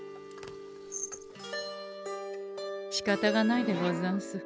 しかたがないでござんす。